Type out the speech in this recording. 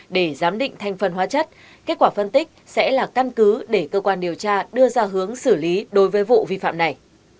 để giám định thanh phần hóa chất kết quả phân tích sẽ là căn cứ để cơ quan điều tra đưa ra hướng xử lý đối với vụ vi phạm này